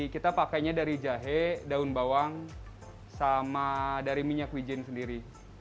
kita pakainya dari jahe daun bawang sama dari minyak wijen sendiri